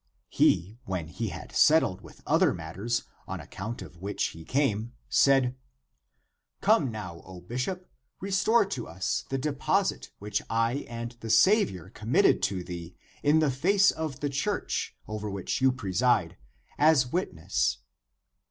He, when he had settled the other matters on account of which he came, said, '* Come now, O bishop, restore to us the de posit which I and the Saviour committed to thee in the face of the Church over which you preside, as witness."